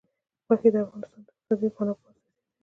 غوښې د افغانستان د اقتصادي منابعو ارزښت زیاتوي.